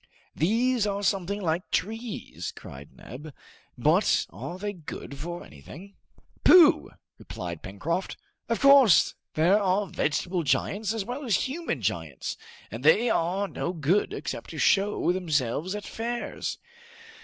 "These are something like trees!" cried Neb; "but are they good for anything?" "Pooh!" replied Pencroft. "Of course there are vegetable giants as well as human giants, and they are no good, except to show themselves at fairs!"